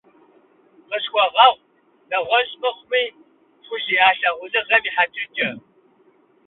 Къысхуэгъэгъу, нэгъуэщӀ мыхъуми, пхузиӀа лъагъуныгъэм и хьэтыркӀэ.